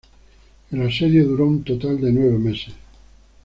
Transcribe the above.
El asedio duró un total de nueve meses.